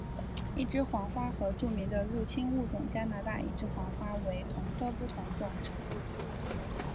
一枝黄花和著名的入侵物种加拿大一枝黄花为同科不同种植物。